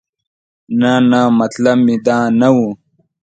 نه نه مطلب مې دا نه و.